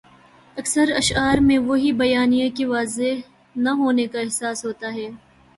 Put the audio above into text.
اکثر اشعار میں وہی بیانیہ کے واضح نہ ہونے کا احساس ہوتا ہے۔